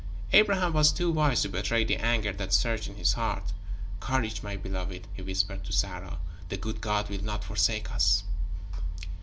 Abraham was too wise to betray the anger that surged in his heart. "Courage, my beloved," he whispered to Sarah. "The good God will not forsake us."